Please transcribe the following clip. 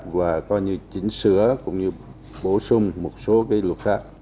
và coi như chỉnh sửa cũng như bổ sung một số cái luật khác